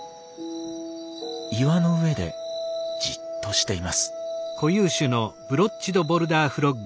岩の上でじっとしています。